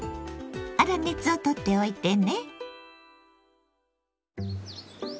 粗熱をとっておいてね。